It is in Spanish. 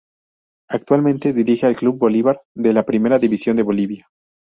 Actualmente dirige al Club Bolívar de la Primera División de Bolivia.